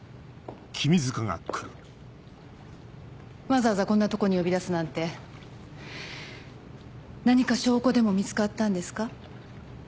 わざわざこんなとこに呼び出すなんて何か証拠でも見つかったんですか？